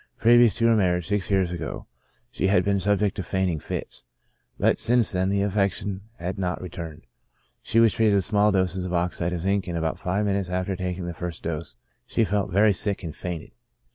Previous to her marriage, six years ago, she had been subject to fainting fits, but since then the affection had not returned. She was treated with small doses of oxide of zinc, and about five minutes after taking the first dose she felt very sick, and fainted.